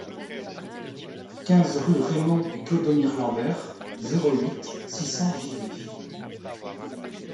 quinze rue Raymond et Clodomir Lamber, zéro huit, six cents Givet